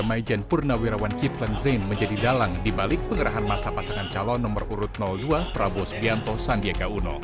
maijen purnawai rawan kiflan zen menjadi dalang dibalik pengerahan massa pasangan calon nomor urut dua prabowo subianto sandiaga uno